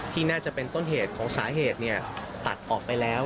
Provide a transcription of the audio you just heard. ที่น่าจะเป็นสาเหตุตัดออกไปแล้ว